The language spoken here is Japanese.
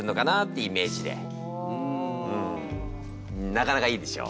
なかなかいいでしょ？